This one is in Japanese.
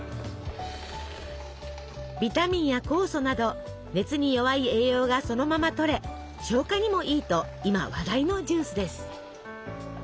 ビタミンや酵素など熱に弱い栄養がそのまま取れ消化にもいいと今話題のジュースです。